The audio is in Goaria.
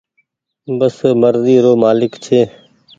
بس مرزي رو مآلڪ ڇي۔